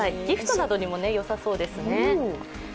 ギフトなどにもよさそうですね。